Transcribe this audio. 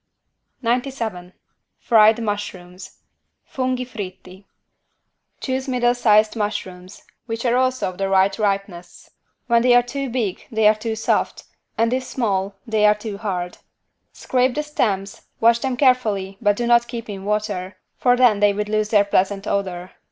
97 FRIED MUSHROOMS (Funghi fritti) Choose middle sized mushrooms, which are also of the right ripeness: when they are too big they are too soft and if small they are too hard. Scrape the stems, wash them carefully but do not keep in water, for then they would lose their pleasant odor.